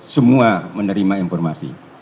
semua menerima informasi